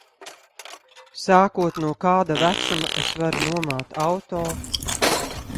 Sākot no kāda vecuma es varu nomāt auto?